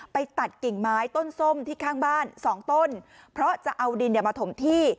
ไปตัดกิ่งไม้ต้นส้มที่ข้างบ้านสองต้นเพราะจะเอาดินเนี่ยมาถมที่